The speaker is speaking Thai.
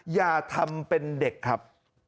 อย่าทำเป็นเด็กครับ